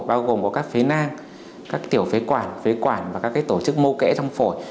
bao gồm có các phế nang các tiểu phế quản phế quản và các tổ chức mô kẽ trong phổi